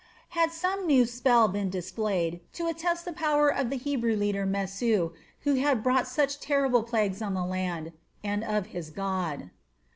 Had some new spell been displayed to attest the power of the Hebrew leader Mesu, who had brought such terrible plagues on the land, and of his God.